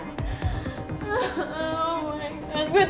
gue tuh beneran mau berubah